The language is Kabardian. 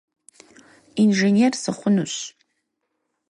Инженер сыхъунущ.